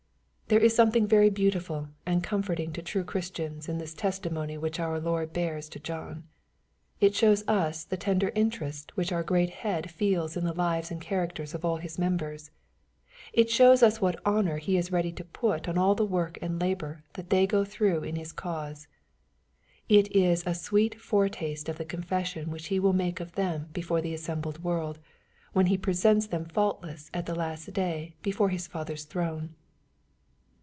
There is something very beautiful and comforting to true Christians in this testimony which our Lord bears to John. It shows us the tender interest which our great Head feels in the lives and characters of all His members. It shows us what honor He is ready to put on all the work and labor that they go through in His cause. It is a sweet foretaste of the confession which He will make of them before the assembled world, when He presents them faultless at the last day before His Father's throne.